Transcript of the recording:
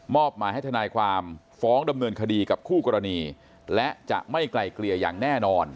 หมายให้ทนายความฟ้องดำเนินคดีกับคู่กรณีและจะไม่ไกลเกลี่ยอย่างแน่นอน